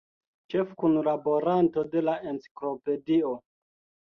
Ĉefkunlaboranto de la Enciklopedio.